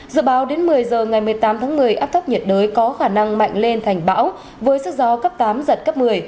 dự báo đến một mươi giờ ngày một mươi tám tháng một mươi áp thấp nhiệt đới có khả năng mạnh lên thành bão với sức gió cấp tám giật cấp một mươi